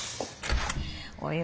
およ。